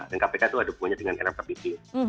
dan kpk itu ada hubungannya dengan rapbd